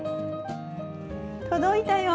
届いたよ。